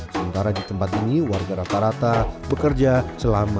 sementara di tempat ini warga rata rata bekerja selama